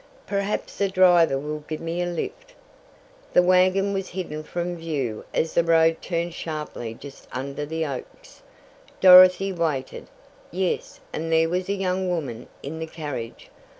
"Perhaps the driver will give me a lift." The wagon was hidden from view as the road turned sharply just under the oaks. Dorothy waited. Yes, and there was a young woman in the carriage.